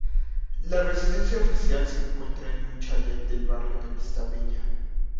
La Residencia Oficial se encuentra en un chalet del barrio de Vistabella.